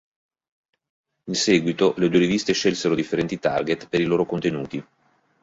In seguito, le due riviste scelsero differenti target per i loro contenuti.